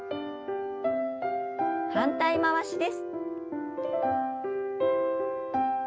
反対回しです。